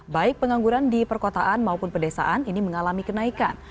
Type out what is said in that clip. baik pengangguran di perkotaan maupun pedesaan ini mengalami kenaikan